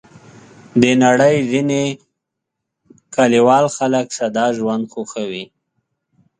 د نړۍ ځینې کلیوال خلک ساده ژوند خوښوي.